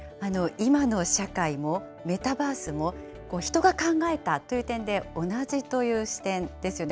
今の社会もメタバースも、人が考えたという点で同じという視点ですよね。